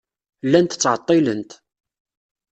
Llant ttɛeḍḍilent.